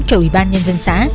cho ủy ban nhân dân xã